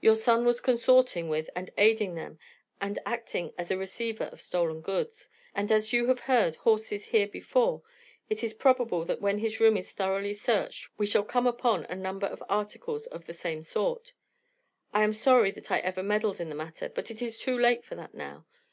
Your son was consorting with and aiding them, and acting as a receiver of stolen goods, and as you have heard horses here before it is probable that when his room is thoroughly searched we shall come upon a number of articles of the same sort. I am sorry that I ever meddled in the matter; but it is too late for that now.